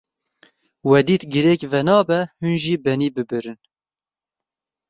We dît girêk venabe, hûn jî benî bibirin.